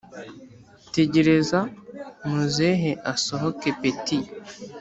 Tegereza muzehe asohoke petti